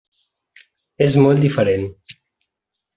És molt diferent.